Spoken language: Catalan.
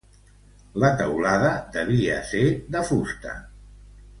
La teulada devia ser de fusta.